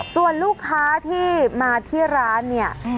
ส่วนลูกค้าที่มาที่ร้านเนี่ย